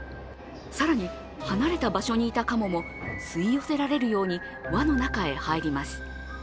更に、離れた場所にいたかもも吸いよせられるように輪の中へ入ります。